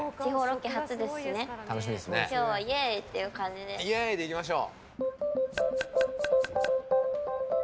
でいきましょう。